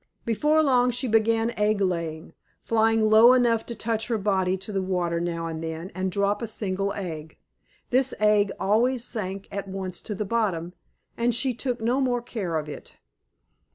Before long she began egg laying, flying low enough to touch her body to the water now and then and drop a single egg. This egg always sank at once to the bottom, and she took no more care of it.